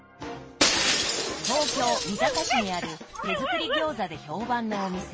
東京・三鷹市にある手作り餃子で評判のお店。